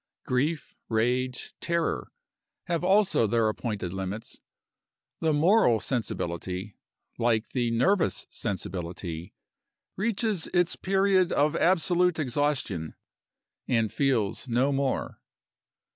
Grief, rage, terror, have also their appointed limits. The moral sensibility, like the nervous sensibility, reaches its period of absolute exhaustion, and feels no more.